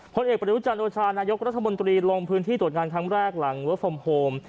ผลเอกประยุจันทร์โอชานายกรัฐมนตรีลงพื้นที่ตรวจงานครั้งแรกหลังเวิร์คฟอร์มโฮม